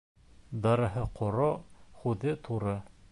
Дарыһы ҡоро, һүҙе туры.